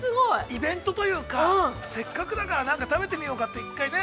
◆イベントというか、せっかくだから食べてみようかって、１回ね。